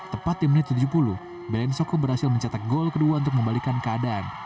tepat di menit tujuh puluh belen soko berhasil mencetak gol kedua untuk membalikan keadaan